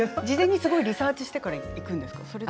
事前にすごいリサーチしてから行くんですか？